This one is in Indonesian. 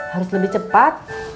harus lebih cepat